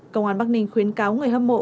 công an bắc ninh khuyến cáo người hâm mộ